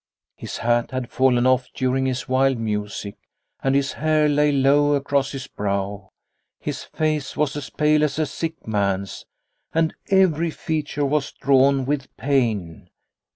His hat had fallen off during his wild music, and his hair lay low across his brow. His face was as pale as a sick man's, and every feature was drawn with pain.